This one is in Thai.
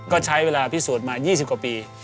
ก็ใช้เวลาพิสูจน์มา๒๐กว่าปี